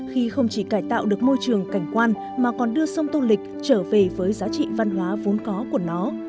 khi không chỉ cải tạo được môi trường cảnh quan mà còn đưa sông tô lịch trở về với giá trị văn hóa vốn có của nó